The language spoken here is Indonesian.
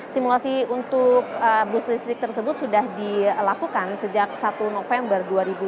simulasi untuk bus listrik tersebut sudah dilakukan sejak satu november dua ribu dua puluh